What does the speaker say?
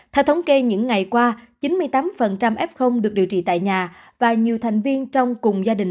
theo thống kê những ngày qua chín mươi tám f được điều trị tại nhà và nhiều thành viên trong cùng gia đình